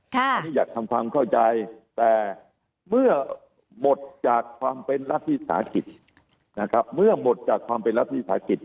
ผมอยากทำความเข้าใจแต่เมื่อหมดจากความเป็นรัฐวิสาหกิจ